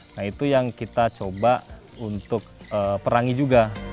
nah itu yang kita coba untuk perangi juga